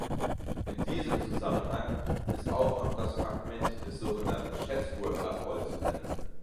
In diesem Zusammenhang ist auch noch das Fragment des sogenannten Chatsworth-Apoll zu nennen.